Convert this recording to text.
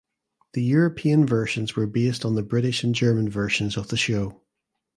The European versions were based on the British and German versions of the show.